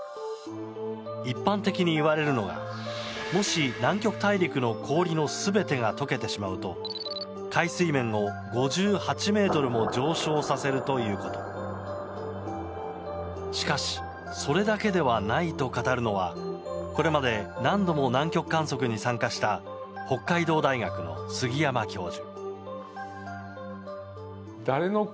一般的にいわれるのがもし南極大陸の氷全てが解けてしまうと、海水面を５８ｍも上昇させるということしかし、それだけではないと語るのはこれまで何度も南極観測に参加した北海道大学の杉山教授。